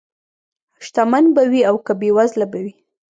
شتمن به وي او که بېوزله به وي.